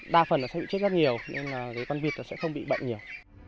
đa phần nó sẽ chết rất nhiều nên con vịt sẽ không bị bệnh nhiều